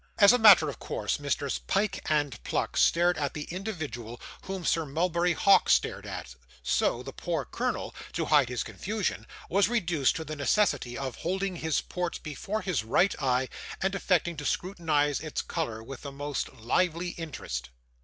As a matter of course, Messrs Pyke and Pluck stared at the individual whom Sir Mulberry Hawk stared at; so, the poor colonel, to hide his confusion, was reduced to the necessity of holding his port before his right eye and affecting to scrutinise its colour with the most lively interest.